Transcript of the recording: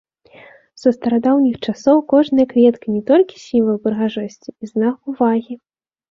Са старадаўніх часоў кожная кветка не толькі сімвал прыгажосці і знак увагі.